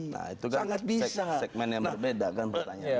nah itu kan segmen yang berbeda kan pertanyaannya